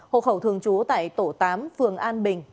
hộ khẩu thường trú tại tổ tám phường an bình